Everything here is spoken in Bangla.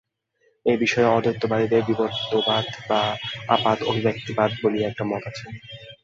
এ-বিষয়ে অদ্বৈতবাদীদের বিবর্তবাদ বা আপাত-অভিব্যক্তিবাদ বলিয়া একটি মত আছে।